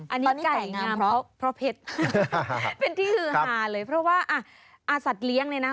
อันนี้ไก่งามเพราะเพชรเป็นที่ฮือหาเลยเพราะว่าอาสัตว์เลี้ยงเลยนะ